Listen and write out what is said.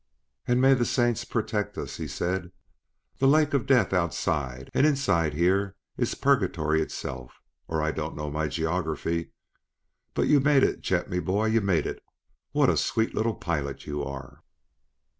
"And may the saints protect us!" he said. "The Lake of Death outside, and inside here is purgatory itself, or I don't know my geography. But you made it, Chet, me bhoy; you made it! What a sweet little pilot you are!"